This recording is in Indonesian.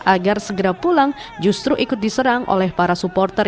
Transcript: agar segera pulang justru ikut diserang oleh para supporter